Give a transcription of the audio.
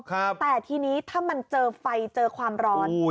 แต่ทีนี้ถ้ามันเจอไฟเจอความร้อน